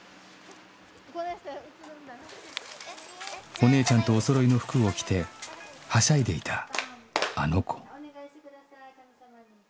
お姉ちゃんとおそろいの服を着てはしゃいでいたあの子